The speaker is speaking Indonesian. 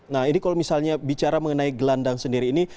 nah ini kalau misalnya bicara mengenai gelandang sendiri ini